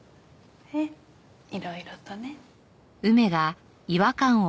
ええいろいろとね。